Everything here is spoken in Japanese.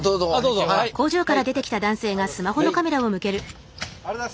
ありがとうございます。